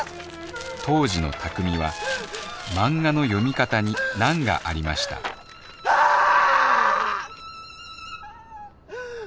当時の卓海は漫画の読み方に難がありましたああっ！